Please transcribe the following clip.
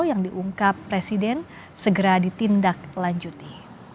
yang diungkap presiden segera ditindaklanjuti